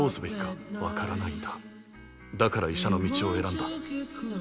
だから医者の道を選んだ。